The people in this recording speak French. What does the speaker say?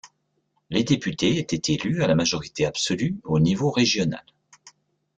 Les députés étaient élus à la majorité absolue, au niveau régional.